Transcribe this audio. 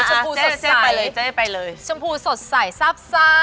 ชมพูสดใสเจ๊ไปเลยชมพูสดใสซาบซ่า